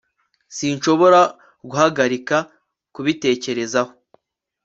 sinshobora guhagarika kubitekerezaho